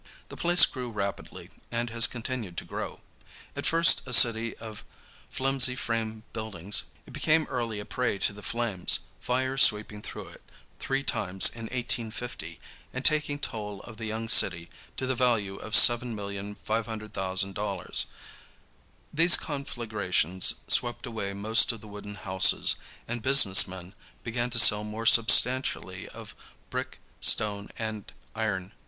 The place grew rapidly and has continued to grow. At first a city of flimsy frame buildings, it became early a prey to the flames, fire sweeping through it three times in 1850 and taking toll of the young city to the value of $7,500,000. These conflagrations swept away most of the wooden houses, and business men began to build more substantially of brick, stone and iron.